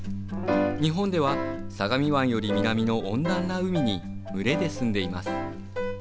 日本では相模湾より南の温暖な海に群れで住んでいます。